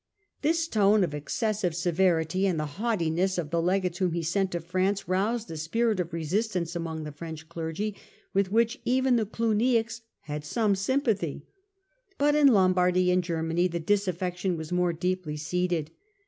This tone of excessive severity, and the haughtiness of the legates whom he sent to France roused a spirit of resistance amongst the French clergy with which even the Clugniacs had some sympathy. But in Lombardy and Germany the disaffection was more deeply seated.